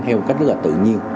theo một cách rất là tự nhiên